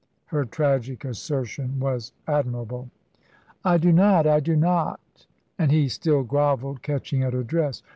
Her tragic assertion was admirable. "I do not I do not"; and he still grovelled, catching at her dress.